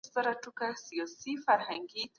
که زده کوونکی له تېروتنې زده کړي دا تعليم دی.